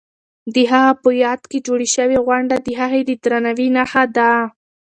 د هغه په یاد کې جوړې شوې غونډې د هغه د درناوي نښه ده.